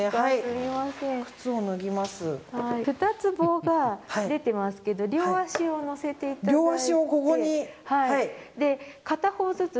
２つ、棒が出てますけど両足を乗せていただいて。